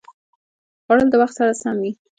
خوړل د وخت سره سم وي